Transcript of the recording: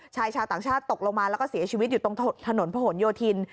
ชายชาวต่างชาติตกลงมาแล้วก็เสียชีวิตอยู่ตรงถนนผนโยธิน